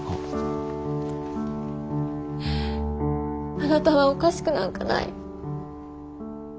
あなたはおかしくなんかない。